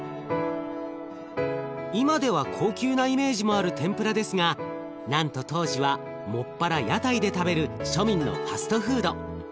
今では高級なイメージもある天ぷらですがなんと当時はもっぱら屋台で食べる庶民のファストフード。